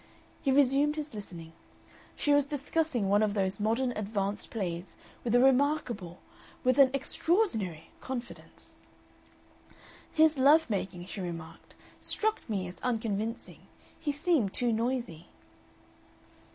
He resumed his listening. She was discussing one of those modern advanced plays with a remarkable, with an extraordinary, confidence. "His love making," she remarked, "struck me as unconvincing. He seemed too noisy."